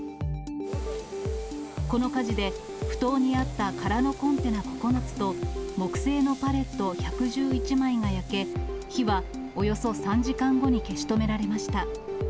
この火事で、ふ頭にあった空のコンテナ９つと、木製のパレット１１１枚が焼け、火はおよそ３時間後に消し止められました。